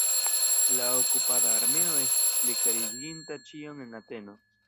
La okupada armeo estis plikariginta ĉion en Ateno.